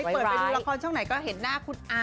เปิดไปดูละครช่องไหนก็เห็นหน้าคุณอา